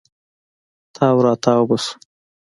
تاو راتاو به سو.